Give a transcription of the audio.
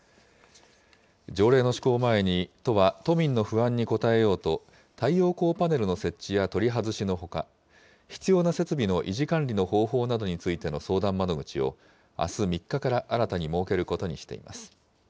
条例の施行を前に都は都民の不安にこたえようと、太陽光パネルの設置や取り外しのほか、必要な設備の維持管理の方法などについての相談窓口を、あす３日から新たに設けることにしています。